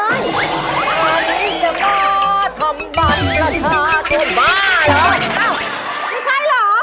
อันนี้จะมาทำบัตรประชาชนบ้าหรอ